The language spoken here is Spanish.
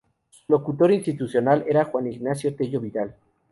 Su locutor institucional era Juan Ignacio Tello Vidal.